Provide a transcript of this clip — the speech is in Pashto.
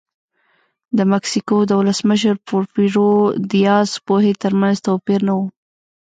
د مکسیکو د ولسمشر پورفیرو دیاز پوهې ترمنځ توپیر نه و.